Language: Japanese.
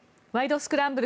スクランブル」